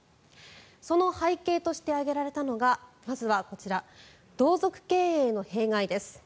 その背景として挙げられたのがまずはこちら同族経営の弊害です。